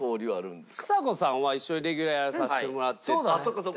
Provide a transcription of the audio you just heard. ちさ子さんは一緒にレギュラーやらさせてもらってて。